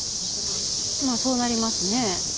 まあそうなりますね。